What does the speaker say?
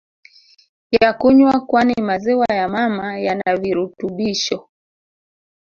ya kunywa kwani maziwa ya mama yanavirutubisho